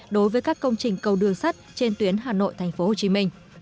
đối với các công trình cầu đường sắt trên tuyến hà nội tp hcm